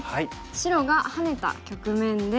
白がハネた局面で。